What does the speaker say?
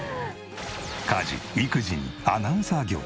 家事育児にアナウンサー業。